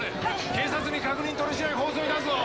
警察に確認取れ次第放送に出すぞ。